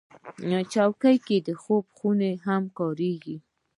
چوکۍ د خوب خونه کې هم کارېږي.